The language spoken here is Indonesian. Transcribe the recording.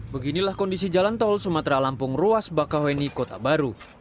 beginilah kondisi jalan tol sumatera lampung ruas bakauheni kota baru